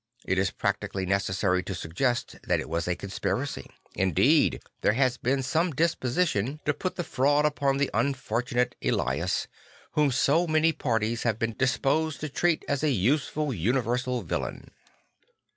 It is practically necessary to suggest that it was a conspiracy; indeed there has been some disposition to put Miracles and Death 16 5 the fraud upon the unfortunate Elias, whom so many parties have been disposed to treat as a useful universal villain.